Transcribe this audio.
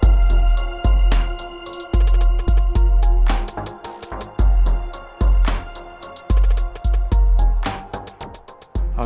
tante aku mau pergi